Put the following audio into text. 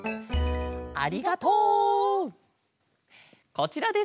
こちらです。